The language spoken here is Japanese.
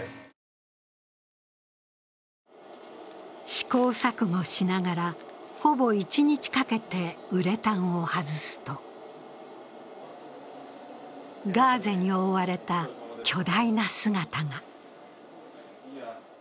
試行錯誤しながら、ほぼ１日かけてウレタンを外すとガーゼに覆われた巨大な姿が。